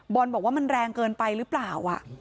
บอกว่ามันแรงเกินไปหรือเปล่า